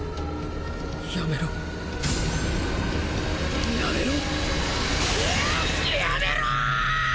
やめろやめろ！やめろ！